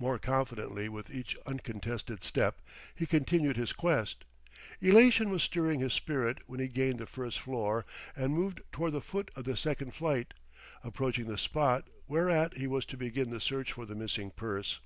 More confidently with each uncontested step, he continued his quest. Elation was stirring his spirit when he gained the first floor and moved toward the foot of the second flight, approaching the spot whereat he was to begin the search for the missing purse.